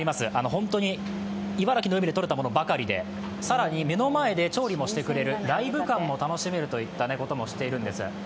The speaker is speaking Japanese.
本当に茨城の海でとれたものばかりで、更に目の前で調理もしてくれる、ライブ感も楽しめるといったこともしているんです。